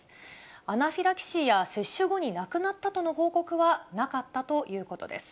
アナフィラキシーや、接種後に亡くなったとの報告はなかったということです。